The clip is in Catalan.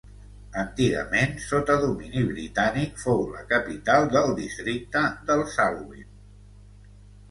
Antigament, sota domini britànic, fou la capital del districte del Salween.